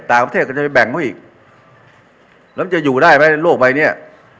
ต่างประเทศก็จะไปแบ่งเขาอีกแล้วมันจะอยู่ได้ไหมในโลกใบเนี้ย